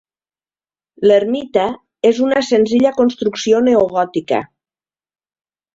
L'ermita és una senzilla construcció neogòtica.